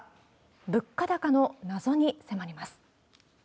物価高の謎に迫ります。